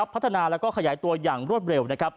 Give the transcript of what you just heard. พัฒนาและขยายตัวอย่างรวดเร็ว